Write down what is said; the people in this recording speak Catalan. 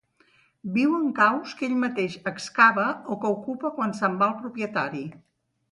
Viu en caus que ell mateix excava, o que ocupa quan se'n va el propietari.